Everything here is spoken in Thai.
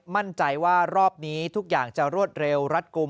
มั่นใจว่ารอบนี้ทุกอย่างจะรวดเร็วรัดกลุ่ม